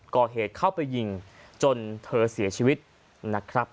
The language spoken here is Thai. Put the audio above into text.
ก่อเหตุเข้าไปยิงจนเธอเสียชีวิตนะครับ